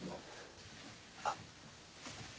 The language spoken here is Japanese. あっ。